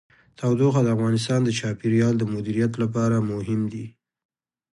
تودوخه د افغانستان د چاپیریال د مدیریت لپاره مهم دي.